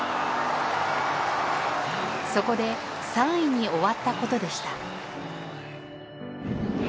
そこで３位に終わった事でした。